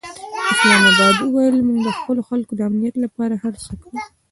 اسلام اباد وویل، موږ د خپلو خلکو د امنیت لپاره هر څه کوو.